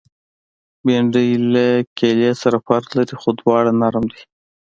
بېنډۍ له کیلې سره فرق لري، خو دواړه نرم دي